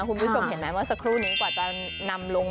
คุณผู้ชมเห็นไหมพูดไม่กว่าจะนำลง